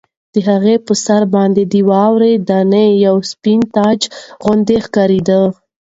د هغه په سر باندې د واورې دانې د یوه سپین تاج غوندې ښکارېدې.